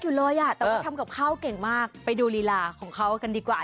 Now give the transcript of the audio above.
แต่ว่าทำกับเข้าเก่งมากไปดูลีลาของเขากันดีกว่า